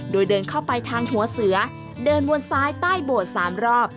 โดยเดินเข้าไปทางหัวเสือเดินวนซ้ายใต้โบสถ์๓รอบ